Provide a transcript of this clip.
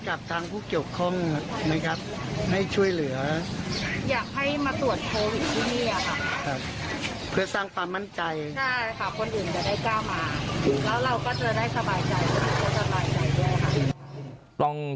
ใช่ค่ะคนอื่นจะได้กล้ามาแล้วเราก็จะได้สบายใจสบายใจด้วยค่ะ